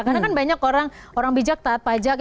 karena kan banyak orang bijak taat pajak